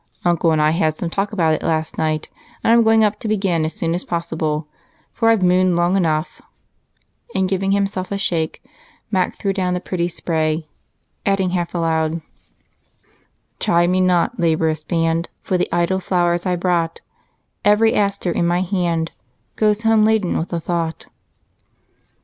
Uncle and I had some talk about it last night and I'm going to begin as soon as possible, for I've mooned long enough," and giving himself a shake, Mac threw down the pretty spray, adding half aloud: "Chide me not, laborious band, For the idle flowers I brought: Every aster in my hand Goes home laden with a thought."